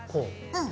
うん。